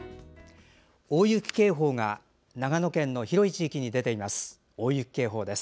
大雪警報が長野県の広い地域に出ています。